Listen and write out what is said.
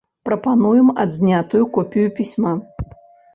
Прапануем адзнятую копію пісьма.